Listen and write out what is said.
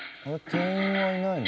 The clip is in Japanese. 店員はいないの？